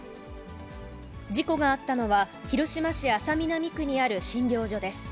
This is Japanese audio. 事故があったのは、広島市安佐南区にある診療所です。